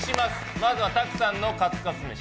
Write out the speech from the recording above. まずは拓さんのカツカツ飯。